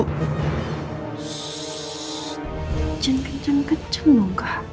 kenceng kenceng kenceng dong kak